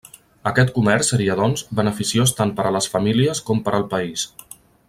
Aquest comerç seria, doncs, beneficiós tant per a les famílies com per al país.